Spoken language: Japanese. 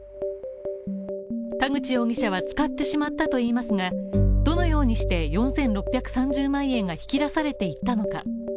田口容疑者は使ってしまったといいますが、どのようにして４６３０万円が引き出されていったのか。